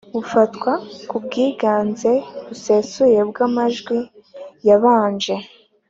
Bifatwa ku bwiganze busesuye bw amajwi y abaje